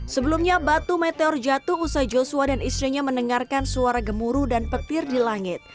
sebelumnya batu meteor jatuh usai joshua dan istrinya mendengarkan suara gemuruh dan petir di langit